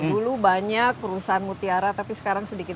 dulu banyak perusahaan mutiara tapi sekarang sedikit